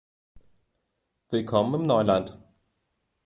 Willkommen im Neuland!